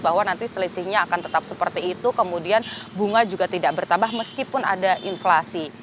bahwa nanti selisihnya akan tetap seperti itu kemudian bunga juga tidak bertambah meskipun ada inflasi